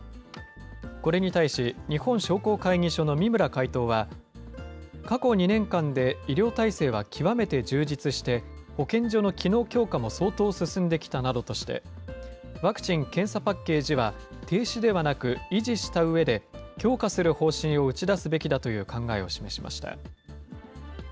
これに対し、日本商工会議所の三村会頭は、過去２年間で医療体制は極めて充実して、保健所の機能強化も相当進んできたなどとして、ワクチン・検査パッケージは停止ではなく維持したうえで、強化する方針を打ち出すべきだという考えを示しました。